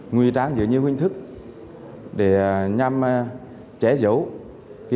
nguy trang dưới nhiều hình thức để nhằm trẻ dấu